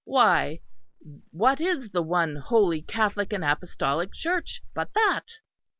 Why, what is the one Holy Catholic and Apostolic Church but that?